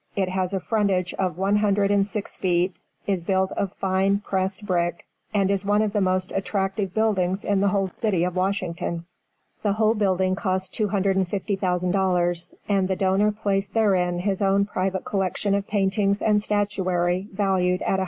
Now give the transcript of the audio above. It has a frontage of one hundred and six feet; is built of fine, pressed brick; and is one of the most attractive buildings in the whole City of Washington. The whole building cost $250,000, and the donor placed therein his own private collection of paintings and statuary, valued at $100,000.